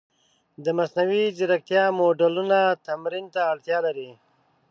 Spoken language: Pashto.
د مصنوعي ځیرکتیا موډلونه تمرین ته اړتیا لري.